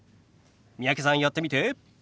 三宅さんやってみて。